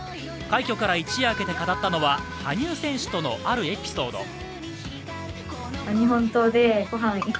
快挙から一夜明けて語ったのは、羽生選手とのあるエピソード。